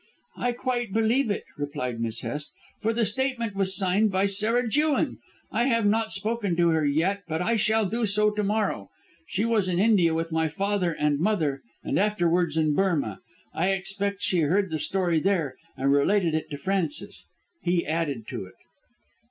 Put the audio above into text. "I quite believe it," replied Miss Hest. "For the statement was signed by Sarah Jewin. I have not spoken to her yet, but I shall do so to morrow. She was in India with my father and mother and afterwards in Burmah. I expect she heard the story there, and related it to Francis. He added to it."